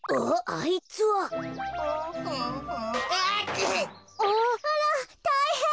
あらたいへん！